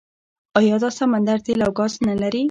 آیا دا سمندر تیل او ګاز نلري؟